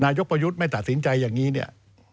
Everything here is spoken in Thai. นายกประโยชน์ไม่ตัดสินใจอย่างนี้